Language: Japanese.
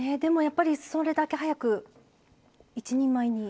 それだけ早く一人前に。